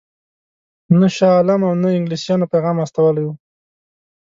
نه شاه عالم او نه انګلیسیانو پیغام استولی وو.